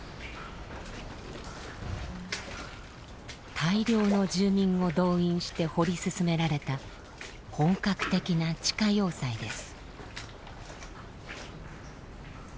大量の住民を動員して掘り進められた本格的な地下要塞です。